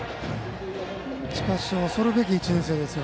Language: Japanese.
しかし恐るべき１年生です。